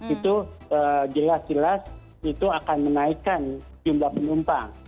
itu jelas jelas itu akan menaikkan jumlah penumpang